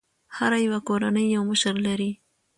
هره يوه کورنۍ یو مشر لري.